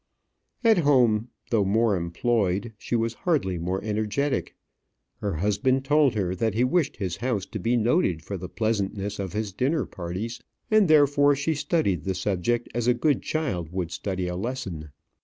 At home, though more employed, she was hardly more energetic. Her husband told her that he wished his house to be noted for the pleasantness of his dinner parties, and, therefore, she studied the subject as a good child would study a lesson.